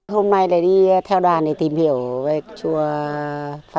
hôm nay lại đi theo đoàn để tìm hiểu về chùa phật